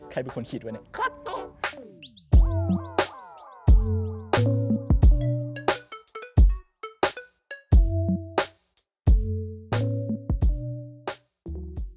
ใครเป็นคนคิดวะเนี่ย